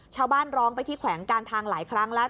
ชาวบ้านร้องไปที่แขวงการทางหลายครั้งแล้ว